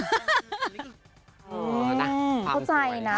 อื้อนี่คือความสวยครับค่ะอื้มอื้อถ้าว่าได้ความสวย